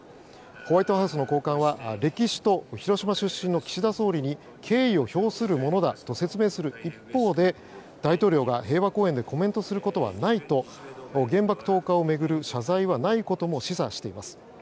ホワイトハウスの高官は、歴史と広島出身の岸田総理に敬意を表するものだとする一方で大統領が平和公園でコメントすることはないと原爆投下を巡る謝罪はないことを示唆しています。